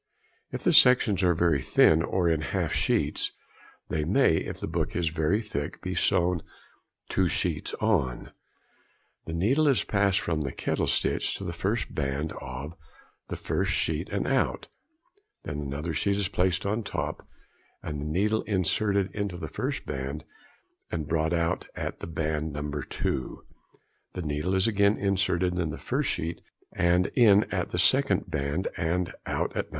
If the sections are very thin, or in half sheets, they may, if the book is very thick, be sewn "two sheets on." The needle is passed from the kettle stitch to the first band of |30| the first sheet and out, then another sheet is placed on the top, and the needle inserted at the first band and brought out at band No. 2, the needle is again inserted in the first sheet and in at the second band and out at No.